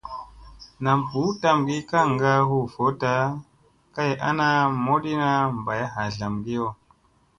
Nam ɓuu tamgii kaŋga huu vooɗta kay ana modiina bay hatlamkiyo.